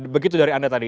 begitu dari anda tadi